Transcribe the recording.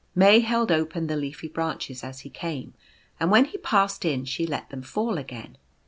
May held open the leafy branches as he came, and when he passed in she let them fall again.